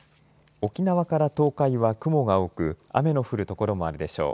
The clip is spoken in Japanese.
沖縄から東海は雲が多く雨の降る所もあるでしょう。